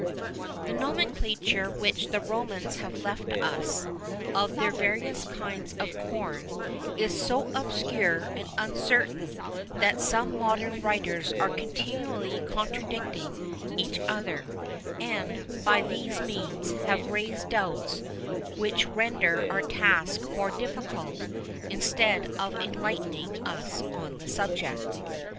The nomenclature which the Romans have left us of their various kinds of corn is so obscure and uncertain, that some modern writers are continually contradicting each other, and, by these means, have raised doubts which render our task more difficult, instead of enlightening us on the subject.